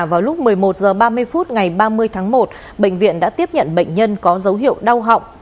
vào lúc một mươi một h ba mươi phút ngày ba mươi tháng một bệnh viện đã tiếp nhận bệnh nhân có dấu hiệu đau họng